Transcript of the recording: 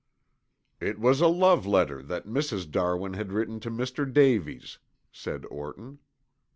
"It was a love letter that Mrs. Darwin had written to Mr. Davies," said Orton.